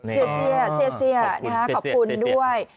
เสียขอบคุณด้วย